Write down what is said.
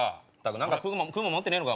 何か食うもん持ってねえのか？